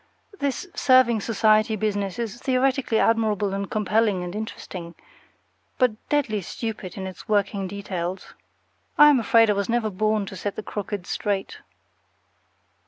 This serving society business is theoretically admirable and compelling and interesting, but deadly stupid in its working details. I am afraid I was never born to set the crooked straight.